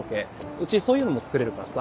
うちそういうのも作れるからさ。